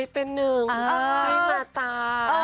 เป็นหนึ่งให้มาตา